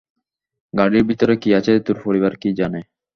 গাড়ির ভিতরে কী আছে তোর পরিবার কি জানে?